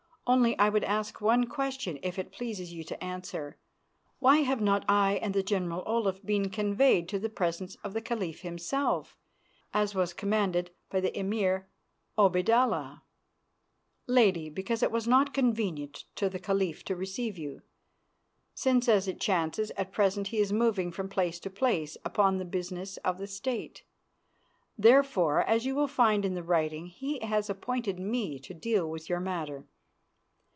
Only I would ask one question, if it pleases you to answer. Why have not I and the General Olaf been conveyed to the presence of the Caliph himself, as was commanded by the Emir Obaidallah?" "Lady, because it was not convenient to the Caliph to receive you, since as it chances at present he is moving from place to place upon the business of the State. Therefore, as you will find in the writing, he has appointed me to deal with your matter.